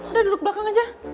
udah duduk belakang aja